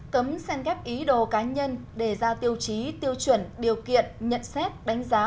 cấm sen ghép ý đồ cá nhân để ra tiêu chí tiêu chuẩn điều kiện nhận xét đánh giá